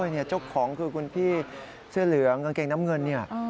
เจ้าของคือคุณพี่เสื้อเหลืองกางเกงน้ำเงินเนี่ย